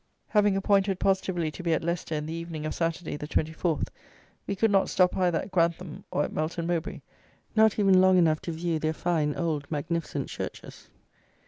Having appointed positively to be at Leicester in the evening of Saturday, the 24th, we could not stop either at Grantham or at Melton Mowbray, not even long enough to view their fine old magnificent churches.